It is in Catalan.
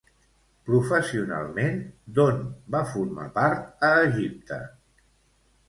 Professionalment, d'on va formar part a Egipte?